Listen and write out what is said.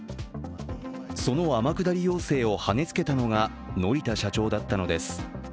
その天下り寄せをはねつけたのが乗田社長だったのです。